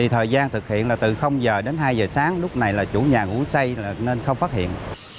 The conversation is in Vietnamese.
thời gian thực hiện là từ h đến hai giờ sáng lúc này là chủ nhà ngủ xây nên không phát hiện